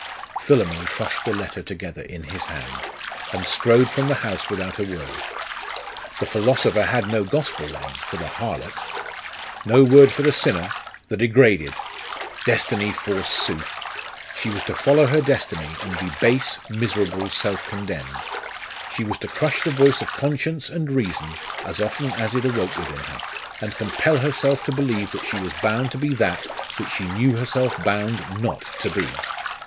Philammon crushed the letter together in his hand, and strode from the house without a word. The philosopher had no gospel, then, for the harlot! No word for the sinner, the degraded! Destiny forsooth! She was to follow her destiny, and be base, miserable, self condemned. She was to crush the voice of conscience and reason, as often as it awoke within her, and compel herself to believe that she was bound to be that which she knew herself bound not to be.